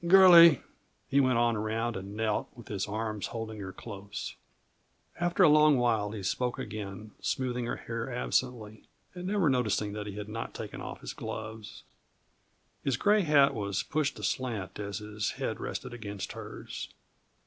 "Girlie!" He went around and knelt, with his arms holding her close. After a long while he spoke again, smoothing her hair absently, and never noticing that he had not taken off his gloves. His gray hat was pushed aslant as his head rested against hers.